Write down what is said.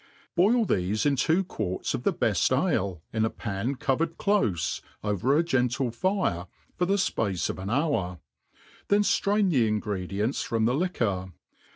Boil thefe in two quarts of the bcft ale, in a pan covered clofe, over a gentle fire, for the fpace of an hour \ then (irain the ingredients froip the liquor.